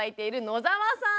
野澤さん